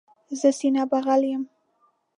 زه سینه بغل یم.